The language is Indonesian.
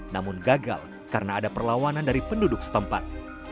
namun gagal karena ada perlawanan dari penduduk setempat